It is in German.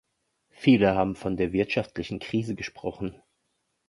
Viele haben von der wirtschaftlichen Krise gesprochen.